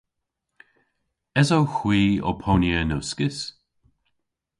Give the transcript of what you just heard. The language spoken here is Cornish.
Esowgh hwi ow ponya yn uskis?